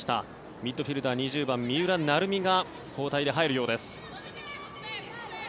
ミッドフィールダー２０番、三浦成美が交代で入るようです。